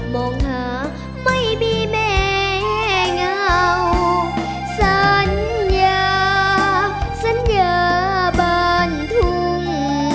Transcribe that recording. มองหาไม่มีแม่เงาสัญญาสัญญาบ้านทุ่ง